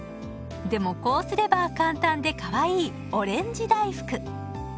でもこうすれば簡単でかわいいオレンジ大福。